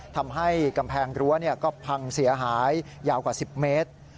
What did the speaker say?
ทำให้กำแพงรั้วก็พังเสียหายยาวกว่า๑๐เมตร